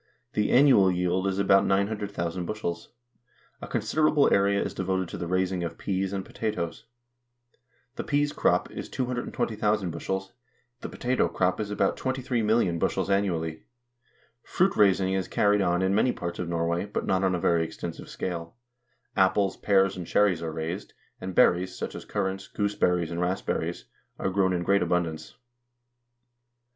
The annual yield is about 900,000 bushels. A considerable area is devoted to the raising of pease and potatoes. The pease crop is 220,000 bushels ; the potato crop about 23,000,000 bushels annually. Fruit raising is carried on in many parts of Norway, but not on a very extensive scale. Apples, pears, and cherries are raised, and berries, such as currants, gooseberries, and raspberries, are grown in great abundance.